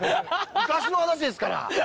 昔の話ですから。